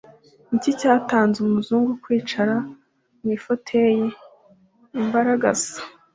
ni iki cyatanze umuzungu kwicara mu ifoteyi ?-imbaragasa